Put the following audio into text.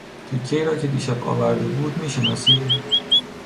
تیکهای را که دیشب آورده بود میشناسی؟